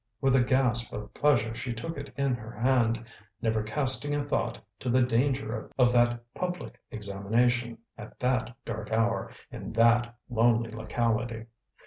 With a gasp of pleasure she took it in her hand, never casting a thought to the danger of that public examination, at that dark hour, in that lonely locality.